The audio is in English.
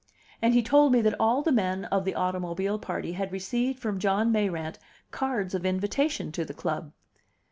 And he told me that all the men of the automobile party had received from John Mayrant cards of invitation to the club.